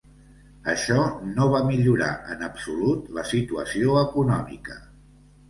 Això no va millorar en absolut la situació econòmica.